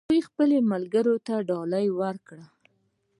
هغې خپل ملګري ته ډالۍ ورکړه